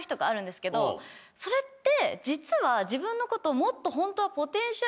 それって自分のことをもっと。